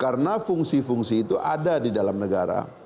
karena fungsi fungsi itu ada di dalam negara